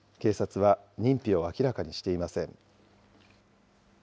警察は認否を明らかにしていません。